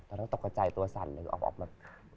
ตอนน้องตกใจตัวซัลเลยออกมา